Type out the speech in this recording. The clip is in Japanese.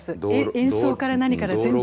演奏から何から全部。